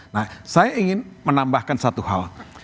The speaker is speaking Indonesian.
nah saya ingin menambahkan satu hal